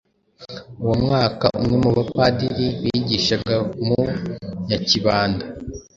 Uwo mwaka, umwe mu bapadiri bigishaga mu Nyakibanda,